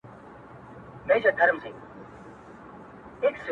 که نه وي خپل پردي، ستا په لمن کي جانانه